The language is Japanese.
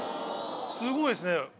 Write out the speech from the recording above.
すごいですね。